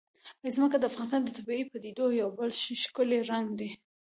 ځمکه د افغانستان د طبیعي پدیدو یو بل ښکلی رنګ دی.